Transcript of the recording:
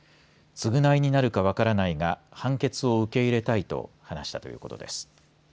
償いになるか分からないが判決を受け入れたいと話したということです。